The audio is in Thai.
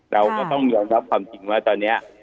เราก็ต้องยอมรับความจริงว่าตอนนี้